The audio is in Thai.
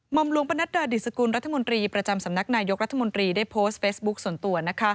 มปดิรัฐมนตรีประจำสำนักนายยกรัฐมนตรีได้โพสต์เฟซบุ๊กส่วนตัว